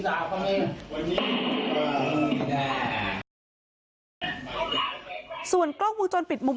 กลุ่มวัยรุ่นฝั่งพระแดง